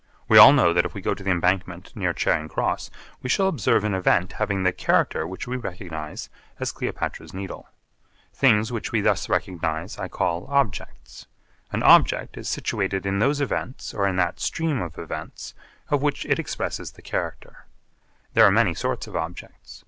We all know that if we go to the Embankment near Charing Cross we shall observe an event having the character which we recognise as Cleopatra's Needle. Things which we thus recognise I call objects. An object is situated in those events or in that stream of events of which it expresses the character. There are many sorts of objects.